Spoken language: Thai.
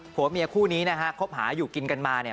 ผัวเมียคู่นี้นะฮะคบหาอยู่กินกันมาเนี่ย